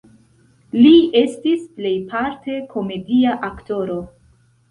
Li estis plejparte komedia aktoro.